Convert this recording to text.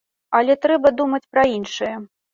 Але трэба думаць пра іншае.